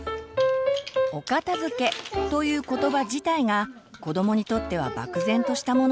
「お片づけ」という言葉自体が子どもにとっては漠然としたもの。